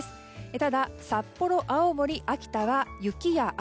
ただ札幌、青森、秋田は雪や雨。